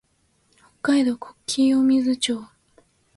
北海道小清水町